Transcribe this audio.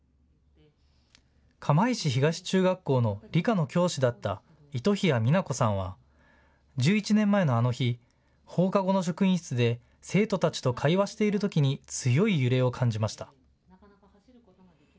釜石東中学校の理科の教師だった糸日谷美奈子さんは１１年前のあの日、放課後の職員室で生徒たちと会話しているときに強い揺れを感じました。